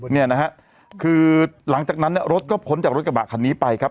เนี่ยนะฮะคือหลังจากนั้นเนี่ยรถก็พ้นจากรถกระบะคันนี้ไปครับ